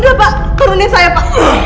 aduh pak turunin saya pak